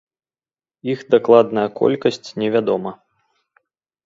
Іх дакладная колькасць невядома.